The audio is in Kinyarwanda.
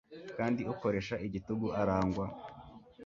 kandi ukoresha igitugu arangwa